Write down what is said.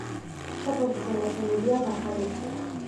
სოფელში შემორჩენილია ვახანის ციხე.